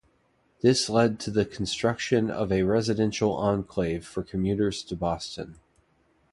This led to the construction of a residential enclave for commuters to Boston.